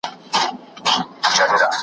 زه مي هغسي ښاغلی بیرغ غواړم .